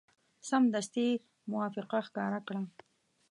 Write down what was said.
سمدستي موافقه ښکاره کړه.